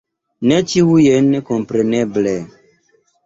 Ne ĉiujn, kompreneble.